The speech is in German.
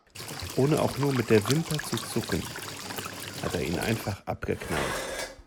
Ohne auch nur mit der Wimper zu zucken, hat er ihn einfach abgeknallt.